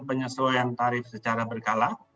penyesuaian tarif secara berkala